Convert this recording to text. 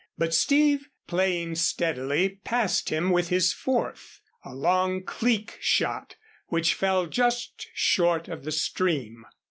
But Steve, playing steadily, passed him with his fourth, a long cleek shot which fell just short of the stream.